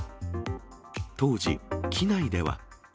当時、機内では。